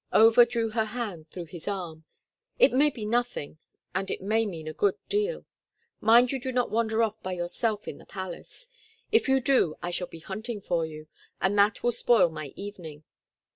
Over drew her hand through his arm. "It may be nothing and it may mean a good deal. Mind you do not wander off by yourself in the palace. If you do I shall be hunting for you, and that will spoil my evening.